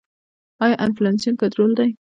آیا انفلاسیون کنټرول دی؟